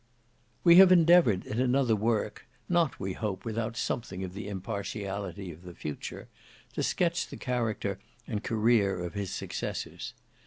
We have endeavoured in another work, not we hope without something of the impartiality of the future, to sketch the character and career of his successors.